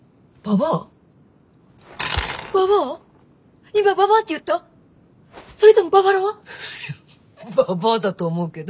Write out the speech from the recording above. ババアだと思うけど。